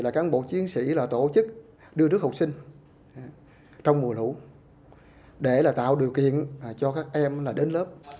chỉ là tổ chức đưa đứa học sinh trong mùa lũ để là tạo điều kiện cho các em là đến lớp